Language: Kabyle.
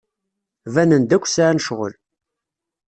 Banen-d akk sɛan ccɣel.